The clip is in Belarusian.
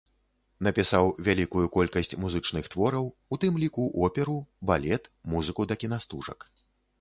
Напісаў вялікую колькасць музычных твораў, у тым ліку оперу, балет, музыку да кінастужак.